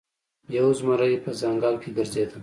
یو زمری په ځنګل کې ګرځیده.